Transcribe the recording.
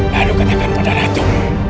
lalu katakan pada ratu